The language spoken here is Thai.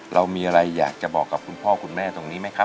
เรามีอะไรอยากจะบอกกับคุณพ่อคุณแม่ตรงนี้ไหมครับ